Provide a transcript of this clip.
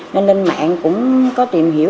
nên lên mạng cũng có tìm hiểu